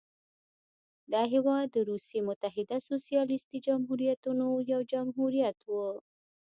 دا هېواد د روسیې متحده سوسیالیستي جمهوریتونو یو جمهوریت و.